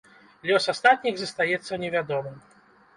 Лёс астатніх застаецца невядомым.